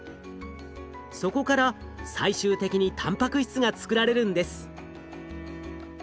そこから最終的にたんぱく質が作られるんです。